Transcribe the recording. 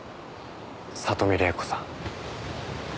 里見麗子さん。